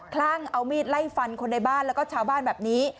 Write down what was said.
คลั่งเอามีดไล่ฟันคนในบ้านแล้วก็ชาวบ้านแบบนี้